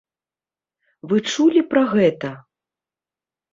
Вы чулі пра гэта?